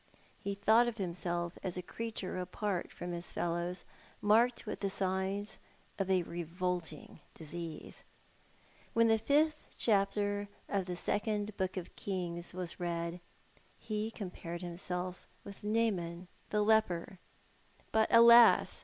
He thought of himself as a creature apart from his fellows, marked with the signs of a revolting disease. When the fifth chapter of the Second Book of Kings was read, he compared himself with Naaman the leper; but, alas